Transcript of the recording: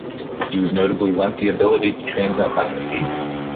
He was notably lent the ability to transmit leprosy.